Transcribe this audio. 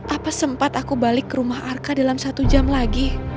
apa sempat aku balik ke rumah arka dalam satu jam lagi